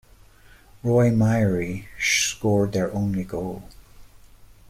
Roy Myrie scored their only goal.